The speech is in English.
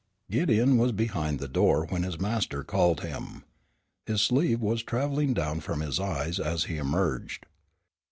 Gideon was behind the door when his master called him. His sleeve was traveling down from his eyes as he emerged.